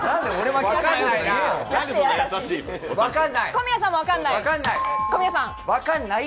小宮さん、わかんない？